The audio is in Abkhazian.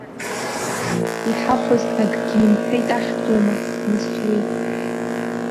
Иҳахәоз акгьы имҳәеит ахьӡума, нас, уи.